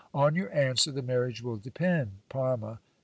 On your answer the marriage will depend. Parma